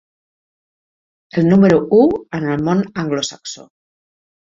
El número u en el món anglosaxó.